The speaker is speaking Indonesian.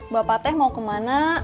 bapak teh mau kemana